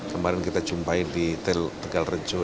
kemarin kita jumpai di tegal rejo